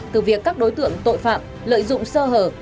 từ việc các đối tượng tội phạm lợi dụng sơ hở